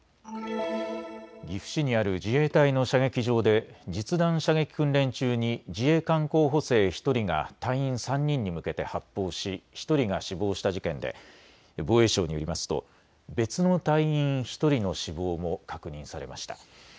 岐阜市にある自衛隊の射撃場で実弾射撃訓練中に自衛官候補生１人が隊員３人に向けて発砲し１人が死亡した事件で防衛省によりますと別の隊員１人の死亡も確認されました。